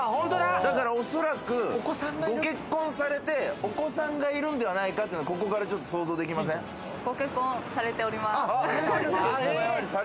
だから、おそらくご結婚されて、お子さんがいるんではないかっていうのが、ご結婚されております。